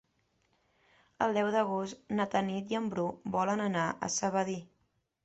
El deu d'agost na Tanit i en Bru volen anar a Sedaví.